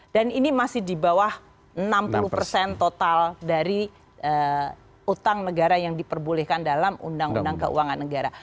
dan ini masih di bawah enam puluh total dari utang negara yang diperbolehkan dalam undang undang keuangan negara